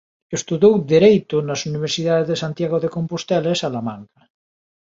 Estudou Dereito nas universidades de Santiago de Compostela e Salamanca.